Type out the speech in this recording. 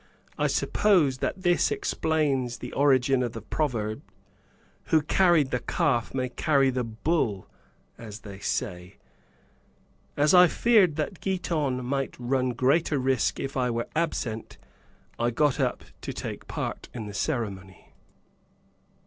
I suppose that this explains the origin of the proverb, 'Who carried the calf may carry the bull,' as they say." As I feared that Giton might run greater risk if I were absent, I got up to take part in the ceremony.